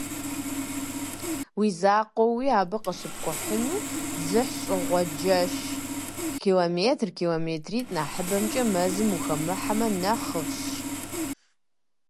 Уи закъуэуи абы къыщыпкӀухьыну дзыхьщӀыгъуэджэщ: километр, километритӀ нэхъыбэкӀэ мэзым ухэмыхьэмэ нэхъыфӀщ.